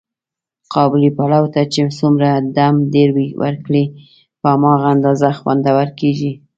قابلي پلو ته چې څومره دم ډېر ور کړې، په هماغه اندازه خوندور کېږي.